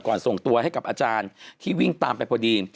ส่งตัวให้กับอาจารย์ที่วิ่งตามไปพอดี